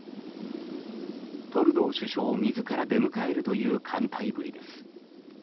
トルドー首相自ら出迎えるという歓待ぶりです。